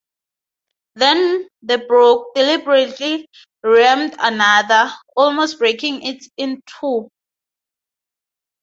Then the "Broke" deliberately rammed another, ', almost breaking it in two.